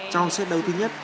trong set đầu thứ nhất